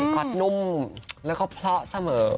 ก๊อตนุ่มแล้วก็เพราะเสมอ